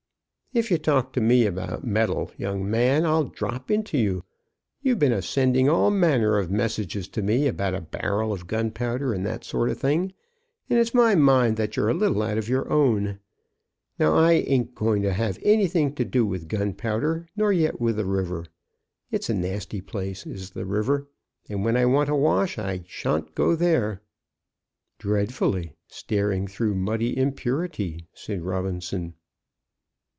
"If you talk to me about metal, young man, I'll drop into you. You've been a sending all manner of messages to me about a barrel of gunpowder and that sort of thing, and it's my mind that you're a little out of your own. Now I ain't going to have anything to do with gunpowder, nor yet with the river. It's a nasty place is the river; and when I want a wash I shan't go there." "'Dreadfully staring through muddy impurity!'" said Robinson.